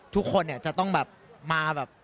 ทุกคนเนี่ยจะต้องแบบมาแบบ